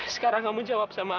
sekarang kamu jawab sama aku